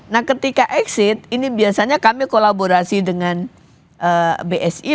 nah ketika exit ini biasanya kami kolaborasi dengan bsi